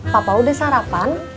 papa udah sarapan